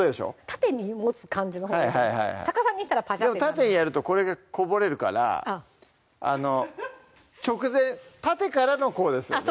縦に持つ感じのほうが逆さにしたらパシャッてなる縦にやるとこれがこぼれるから直前縦からのこうですよね